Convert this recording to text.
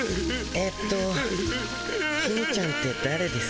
えっと公ちゃんってだれです？